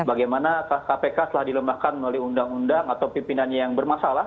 bagaimana kpk telah dilemahkan melalui undang undang atau pimpinannya yang bermasalah